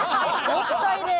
もったいねえ！